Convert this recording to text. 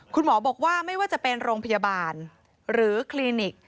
คุณหมอบอกว่าไม่ว่าจะเป็นโรงพยาบาลหรือคลินิก